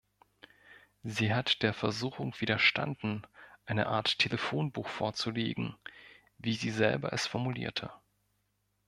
Sie hat der Versuchung widerstanden, eine Art Telefonbuch vorzulegen, wie sie selber es formulierte.